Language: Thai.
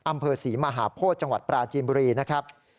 อำเภอศรีมหาโพธิจังหวัดปราจีนบุรีนะครับ